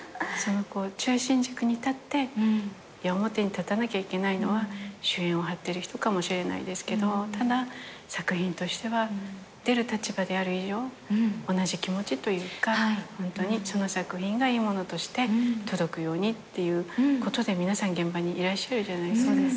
中心軸に立って矢面に立たなきゃいけないのは主演を張ってる人かもしれないですけどただ作品としては出る立場である以上同じ気持ちというかホントにその作品がいいものとして届くようにっていうことで皆さん現場にいらっしゃるじゃないですか。